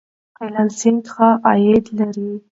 فری لانسینګ ښه عاید لري.